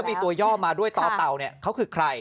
มีตัวย่อมาด้วยต่อเต่าเนี่ยเขาคือใคร